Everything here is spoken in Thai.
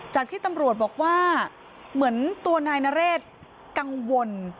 ที่ตำรวจบอกว่าเหมือนตัวนายนเรศกังวล